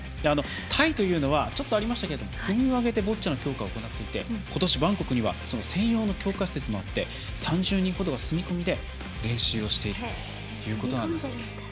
タイというのは国を挙げてボッチャの強化を行っていて今年、バンコクにはその専用の強化施設もあって３０人ほどが住み込みで練習をしているということです。